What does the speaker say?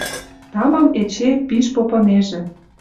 Тамам эче пиш попынежӹ